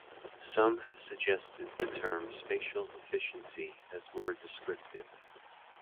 Some have suggested the term "spatial efficiency" as more descriptive.